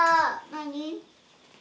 何？